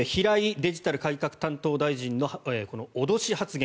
デジタル改革担当大臣の脅し発言。